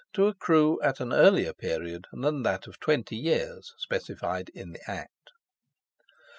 to accrue at an earlier period than that of 20 years, specified in the Act. 2.